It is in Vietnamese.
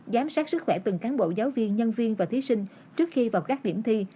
giám sát sức khỏe từng cán bộ giáo viên nhân viên và thí sinh trước khi vào các điểm thi